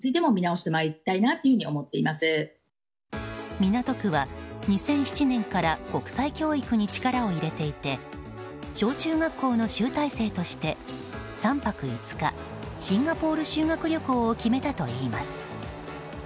港区は２００７年から国際教育に力を入れていて小中学校の集大成として３泊５日シンガポール修学旅行を決めたといいます。